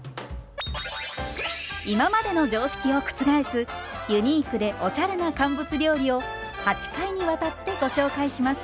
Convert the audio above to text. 今までの常識を覆すユニークでおしゃれな乾物料理を８回にわたってご紹介します。